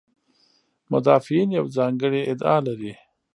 مدافعین یوه ځانګړې ادعا لري.